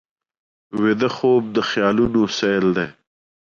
ویده خوب د خیالونو سیل دی